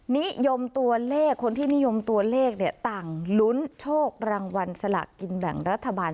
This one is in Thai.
นิยมตัวเลขคนที่นิยมตัวเลขต่างลุ้นโชครางวัลสละกินแบ่งรัฐบาล